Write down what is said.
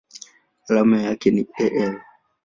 Alama yake ni Al.